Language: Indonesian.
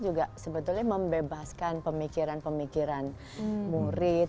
juga sebetulnya membebaskan pemikiran pemikiran murid